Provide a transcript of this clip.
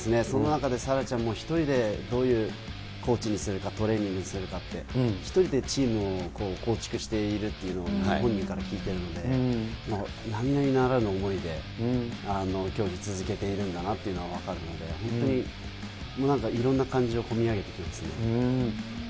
その中で沙羅ちゃん、１人でどういうコーチにするか、トレーニングするかって、１人でチームを構築しているというのを、本人から聞いているので、なみなみならぬ思いで競技続けているんだなっていうのが分かるので、本当に、いろんな感情、込み上げてくるんですね。